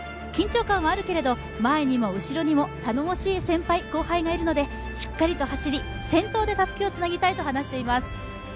緊張感はあるけれども、前にも後ろにも頼もしい先輩・後輩がいるのでしっかりと走り、先頭でたすきをつなぎたいと話しています。